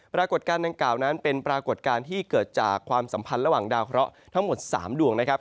ปรากฏการณ์ดังกล่าวนั้นเป็นปรากฏการณ์ที่เกิดจากความสัมพันธ์ระหว่างดาวเคราะห์ทั้งหมด๓ดวงนะครับ